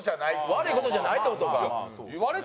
悪い事じゃないって事か。